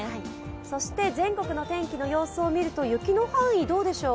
そして全国の天気の様子を見ると雪の範囲はどうでしょう？